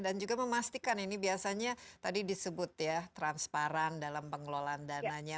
dan juga memastikan ini biasanya tadi disebut transparan dalam pengelolaan dananya